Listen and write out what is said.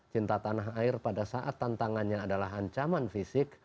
cinta tanah air pada saat tantangannya adalah ancaman fisik